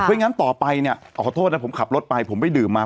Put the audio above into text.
เพราะงั้นต่อไปนะเอาขอโทษนะผมขับรถไปผมไปดื่มมา